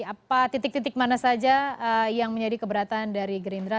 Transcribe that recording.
apa titik titik mana saja yang menjadi keberatan dari gerindra